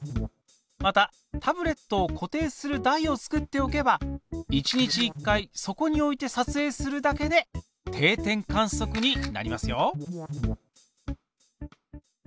またタブレットを固定する台を作っておけば１日１回そこに置いてさつえいするだけで定点観測になりますよ！